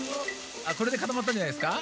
これでかたまったんじゃないですか？